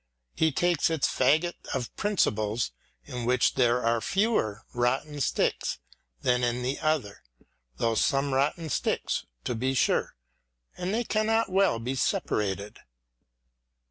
He takes its faggot of principles in which there are fewer rotten sticks than in the other, though some rotten sticks to be sure, and they cannot well be separated.